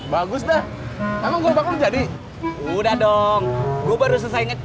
bagus dah emang gue bakal jadi udah dong gue baru selesai ingat